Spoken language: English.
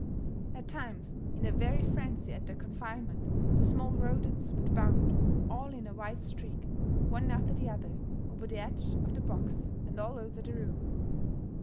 At times, in a very frenzy at their confinement the small rodents would bound, all in a white streak, one after the other, over the edge of the box and all over the room.